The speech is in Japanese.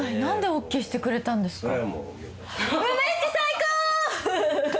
梅っち最高！